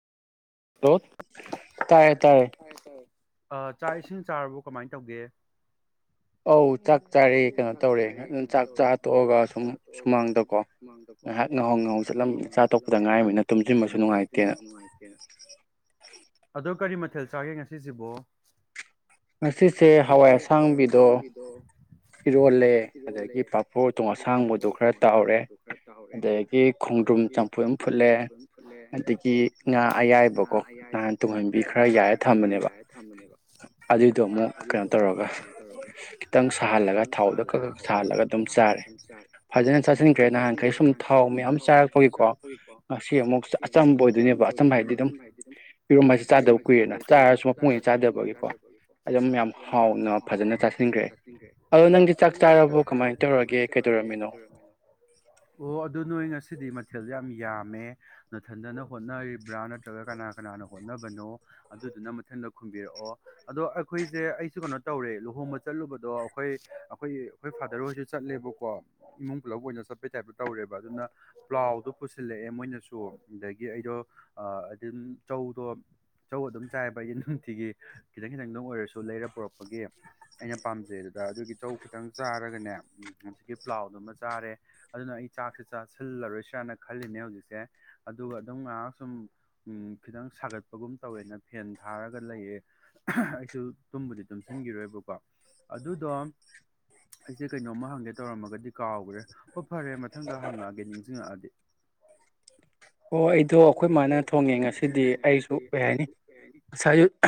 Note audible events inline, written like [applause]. ꯍꯜꯂꯣꯠ ꯇꯥꯏꯌꯦ ꯇꯥꯏꯌꯦ ꯑ ꯆꯥꯛ ꯏꯁꯤꯡ ꯆꯥꯔꯕꯣ ꯀꯃꯥꯏꯟ ꯇꯧꯒꯦ ꯑꯧ ꯆꯥꯛ ꯆꯥꯔꯦ ꯀꯩꯅꯣ ꯇꯧꯔꯦ ꯎꯝ ꯆꯥꯛ ꯆꯥ ꯇꯣꯛꯑꯒ ꯁꯨꯝ ꯁꯨꯃꯥꯡꯗꯀꯣ ꯉꯥꯏꯍꯥꯛ ꯉꯥꯍꯧ ꯉꯥꯍꯧ ꯆꯠꯂꯝꯕꯅꯦ ꯆꯥ ꯇꯣꯛꯄꯗ ꯉꯥꯏꯔꯤꯕꯅꯤꯅ ꯇꯨꯝꯖꯤꯟꯕꯁꯨ ꯅꯨꯡꯉꯥꯏꯇꯦꯅ [unintelligible] ꯑꯗꯣ ꯀꯔꯤ ꯃꯊꯦꯜ ꯆꯥꯒꯦ ꯉꯁꯤꯁꯤꯕꯣ ꯉꯁꯤꯁꯦ ꯍꯋꯥꯏ ꯑꯁꯥꯡꯕꯤꯗꯣ ꯏꯔꯣꯜꯂꯦ ꯑꯗꯒꯤ ꯄꯥꯐꯣꯔ ꯎꯇꯣꯡ ꯑꯁꯥꯡꯕꯗꯣ ꯈꯔ ꯇꯥꯎꯔꯦ ꯑꯗ ꯒꯤ ꯈꯣꯡꯗ꯭ꯔꯨꯝ ꯆꯝꯐꯨꯠ ꯑꯝ ꯐꯨꯠꯂꯦ ꯑꯗꯒꯤ ꯉꯥ ꯑꯌꯥꯏꯕꯀꯣ ꯅꯍꯥꯟ ꯇꯨꯡꯍꯟꯕꯤ ꯈꯔ ꯌꯥꯏꯔ ꯊꯝꯕꯅꯦꯕ ꯍꯥꯏ ꯊꯝꯕꯅꯦꯕ ꯑꯗꯨꯏꯗꯣ ꯑꯃꯨꯛ ꯀꯩꯅꯣ ꯇꯧꯔꯒ ꯈꯤꯇꯪ ꯁꯥꯍꯜꯂꯒ ꯊꯥꯎꯗ ꯈꯛ ꯈꯛ ꯁꯥꯍꯜꯂꯒ ꯑꯗꯨꯝ ꯆꯥꯔꯦ ꯐꯖꯅ ꯆꯥꯁꯤꯟꯈ꯭ꯔꯦ ꯅꯍꯥꯟꯈꯩ ꯁꯨꯝ ꯊꯥꯎ ꯃꯌꯥꯝ ꯆꯥꯔꯛꯄꯒꯤꯀꯣ ꯉꯁꯤ ꯑꯃꯨꯛ ꯑꯆꯝꯕ ꯑꯣꯏꯗꯣꯏꯅꯦꯕ ꯑꯆꯝꯕ ꯍꯥꯏꯗꯤ ꯑꯗꯨꯝ ꯏꯔꯣꯝꯕ ꯑꯁꯤ ꯆꯥꯗꯕ ꯀꯨꯏꯔꯦꯅ ꯆꯥꯔꯁꯨ ꯃꯄꯨꯡ ꯑꯣꯏꯅ ꯆꯥꯗꯕꯒꯤꯀꯣ ꯑꯗꯨꯝ ꯌꯥꯝ ꯍꯥꯎꯅ ꯐꯖꯅ ꯆꯥꯁꯤꯟꯈ꯭ꯔꯦ ꯑꯗꯣ ꯅꯪꯗꯤ ꯆꯥꯛ ꯆꯥꯛ ꯆꯥꯔꯕꯣ ꯀꯃꯥꯏꯅ ꯇꯧꯔꯒꯦ ꯀꯩꯗꯧꯔꯝꯃꯤꯅꯣ ꯑꯣ ꯑꯗꯨ ꯅꯣꯏ ꯉꯁꯤꯗꯤ ꯃꯊꯦꯜꯗ ꯌꯥꯝ ꯌꯥꯝꯃꯦ ꯅꯊꯟꯗꯅ ꯍꯣꯠꯅꯔꯤꯕ꯭ꯔꯥ ꯅꯠꯇ꯭ꯔꯒ ꯀꯅꯥ ꯀꯅꯥꯅ ꯍꯣꯠꯅꯕꯅꯣ ꯑꯗꯨꯗꯨꯅ ꯃꯊꯪꯗ ꯈꯨꯝꯕꯤꯔꯛꯑꯣ ꯑꯗꯣ ꯑꯩꯈꯣꯏꯁꯦ ꯑꯩꯁꯨ ꯀꯩꯅꯣ ꯇꯧꯔꯦ ꯂꯨꯍꯣꯡꯕ ꯆꯠꯂꯨꯕꯗꯣ ꯑꯩꯈꯣꯏ ꯑꯩꯈꯣꯏ ꯑꯩꯈꯣꯏ ꯐꯥꯗꯔ ꯍꯣꯏꯁꯨ ꯆꯠꯂꯦꯕꯀꯣ ꯏꯃꯨꯡ ꯄꯨꯂꯞ ꯑꯣꯏꯅ ꯆꯠꯄꯩ ꯇꯥꯏꯞꯇ ꯇꯧꯔꯦꯕ ꯑꯗꯨꯅ ꯄ꯭ꯂꯥꯎꯗꯣ ꯄꯨꯁꯤꯜꯂꯛꯑꯦ ꯃꯣꯏꯅꯁꯨ ꯑꯗꯒꯤ ꯑꯩꯗꯣ ꯑꯗꯨꯝ ꯆꯧꯗꯣ ꯆꯧ ꯑꯗꯨꯝ ꯆꯥꯏꯕ ꯑꯩꯗꯣ ꯅꯨꯡꯇꯤꯒꯤ ꯈꯤꯇꯪ ꯈꯤꯇꯪꯗ ꯑꯣꯏꯔꯁꯨ ꯂꯩꯔ ꯄꯨꯔꯛꯄꯒꯤ ꯑꯩꯅ ꯄꯥꯝꯖꯩ ꯑꯗꯨꯗ ꯑꯗꯨꯒꯤ ꯆꯧ ꯈꯤꯇꯪ ꯆꯥꯔꯒꯅꯦ ꯍꯧꯖꯤꯛꯀꯤ ꯄꯂꯥꯎꯗꯨꯃ ꯆꯥꯔꯦ ꯑꯗꯨꯅ ꯑꯩ ꯆꯥꯛꯁꯦ ꯆꯥꯁꯤꯜꯂꯔꯣꯏꯁ꯭ꯤꯔꯅ ꯈꯜꯂꯤꯅꯦ ꯍꯧꯖꯤꯛꯁꯦ ꯑꯗꯨꯒ ꯑꯗꯨꯝ ꯉꯥꯏꯍꯥꯛ ꯁꯨꯝ ꯈꯤꯇꯪ ꯁꯥꯒꯠꯄꯒꯨꯝ ꯇꯧꯋꯦꯅ ꯐꯦꯟ ꯊꯥꯔꯒ ꯂꯩꯌꯦ ꯑꯩꯁꯨ ꯇꯨꯝꯕꯨꯗꯤ ꯇꯨꯝꯁꯤꯟꯈꯤꯔꯣꯏꯕꯀꯣ ꯑꯗꯨꯗꯣ ꯑꯩꯁꯦ ꯀꯩꯅꯣꯝꯃ ꯍꯪꯒꯦ ꯇꯧꯔꯝꯃꯒꯗꯤ ꯀꯥꯎꯈ꯭ꯔꯦ ꯍꯣꯏ ꯐꯔꯦ ꯃꯊꯪꯗ ꯍꯪꯉꯛꯑꯒꯦ ꯅꯤꯡꯁꯤꯡꯉꯛꯑꯗꯤ ꯑꯣ ꯑꯩꯗꯣ ꯑꯩꯈꯣꯏ ꯃꯥꯅ ꯊꯣꯡꯉꯦ ꯉꯁꯤꯗꯤ ꯑꯩꯁꯨ ꯀꯩ ꯍꯥꯏꯅꯤ ꯉꯁꯥꯏ ꯑꯌꯨꯛ